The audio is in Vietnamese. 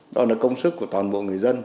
đó là công sức của toàn bộ người dân